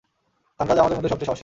থানরাজ আমাদের মধ্যে সবচেয়ে সাহসী।